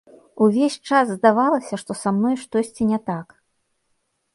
Увесь час здавалася, што са мной штосьці не так.